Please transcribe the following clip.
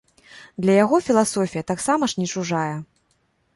Для яго філасофія таксама ж не чужая.